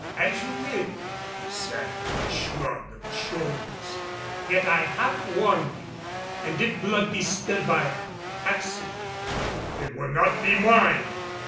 "As you will," he said with a shrug of his shoulders, "yet I have warned you. And if blood be spilled by accident " "It will not be mine!